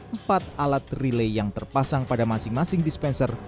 empat alat relay yang terpasang pada masing masing dispenser